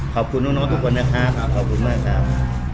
ขอบคุณน้องทุกคนนะครับขอบคุณมากครับ